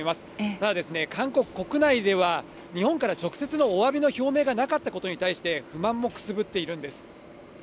ただ、韓国国内では、日本から直接のおわびの表明がなかったことに対して、不満もくすぶっているんです。